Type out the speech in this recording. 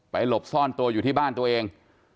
หลบซ่อนตัวอยู่ที่บ้านตัวเอง